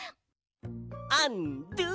アンドゥ！